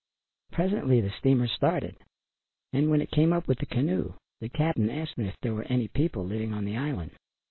Presently the steamer started and when it came up with the canoe the "cap'n" asked them if there were any people living on the island.